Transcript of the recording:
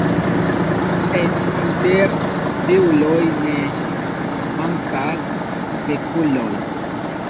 Eĉ inter piuloj ne mankas pekuloj.